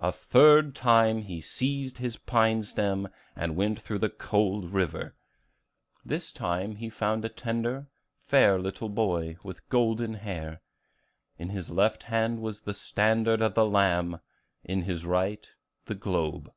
The third time he seized his pine stem, and went through the cold river. This time he found a tender, fair little boy, with golden hair. In his left hand was the standard of the Lamb; in his right, the globe.